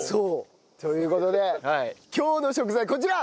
という事で今日の食材こちら。